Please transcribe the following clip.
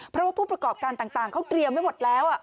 เพราะว่าผู้ประกอบการต่างเขาเตรียมไว้หมดแล้ว